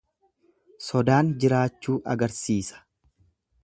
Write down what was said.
Sodaan jiraachuu agarsiisa.